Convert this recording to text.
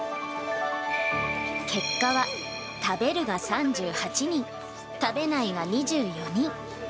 結果は食べるが３８人、食べないが２４人。